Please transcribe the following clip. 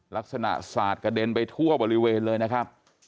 ลักษณะสาดกระเด็นไปทั่วบริเวณเลยนะครับ